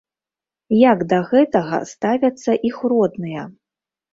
Як да гэта ставяцца іх родныя?